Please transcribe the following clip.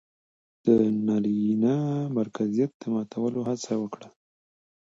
د نرينه مرکزيت د ماتولو هڅه وکړه